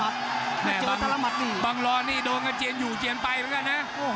เจอทั้งละมาตริเบ้ยบางรอดนี่โดนกับเจียนอยู่เจียนไปเหมือนกันนะ